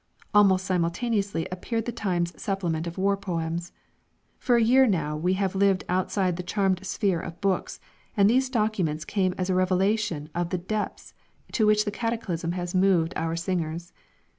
Almost simultaneously appeared the Times supplement of war poems. For a year now we have lived outside the charmed sphere of books, and these documents came as a revelation of the depths to which the cataclysm has moved our singers.